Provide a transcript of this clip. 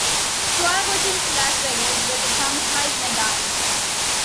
Flagg returns to Las Vegas with a traumatized Nadine.